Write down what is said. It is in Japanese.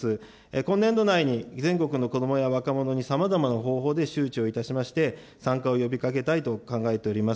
今年度内に全国の子どもや若者にさまざまな方向で周知をいたしまして、参加を呼びかけたいと考えております。